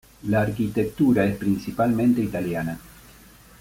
La arquitectura es principalmente italiana.